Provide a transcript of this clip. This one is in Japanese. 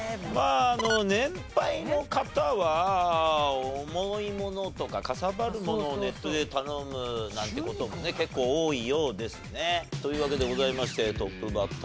年配の方は重いものとかかさばるものをネットで頼むなんて事もね結構多いようですね。というわけでございましてトップバッターね